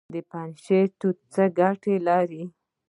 د پنجشیر توت څه ګټه لري؟